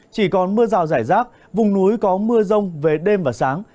chỉ còn mưa rào rải rác vùng núi có mưa rông về đêm và sáng